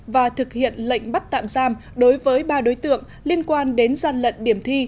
và thực hiện lệnh bắt tạm giam đối với ba đối tượng liên quan đến gian lận điểm thi